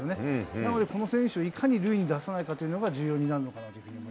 なので、この選手をいかに塁に出さないかというのが、重要になる